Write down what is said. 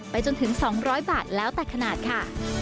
จนถึง๒๐๐บาทแล้วแต่ขนาดค่ะ